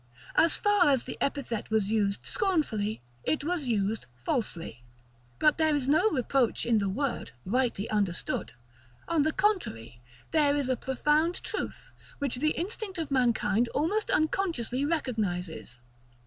As far as the epithet was used scornfully, it was used falsely; but there is no reproach in the word, rightly understood; on the contrary, there is a profound truth, which the instinct of mankind almost unconsciously recognizes.